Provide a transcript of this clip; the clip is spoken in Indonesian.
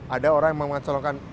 ada orang yang mencalonkan